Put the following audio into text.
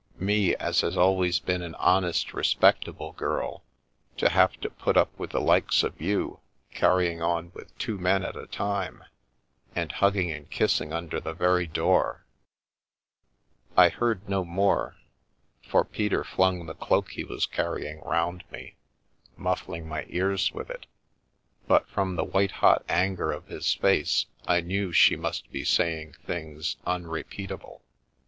Me, as has always been an honest, respecta ble girl, to have to put up with the likes of you, carrying on with two men at a time, and hugging and kissing under the very door " I heard no more, for Peter flung the cloak he was carrying round me, muffling my ears with it, but from the white hot anger of his face, I knew she must be saying things unrepeatable.